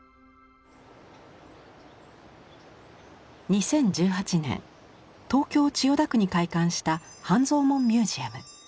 ２０１８年東京千代田区に開館した半蔵門ミュージアム。